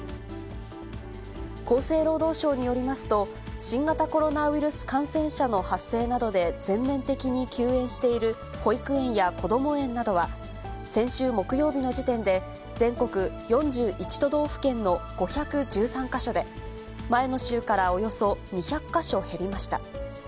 厚生労働省によりますと、新型コロナウイルス感染者の発生などで全面的に休園している保育園やこども園などは、先週木曜日の時点で、全国４１都道府県の５１３か所で、前の週からおよそ２００か所減りました。